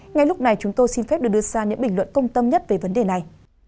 ngay lúc này chúng tôi xin phép được đưa ra những bình luận công tâm nhất về vấn đề này